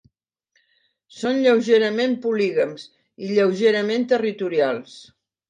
Són lleugerament polígams i lleugerament territorials.